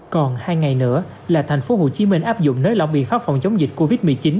còn hai ngày nữa là tp hcm áp dụng nơi lỏng biện pháp phòng chống dịch covid một mươi chín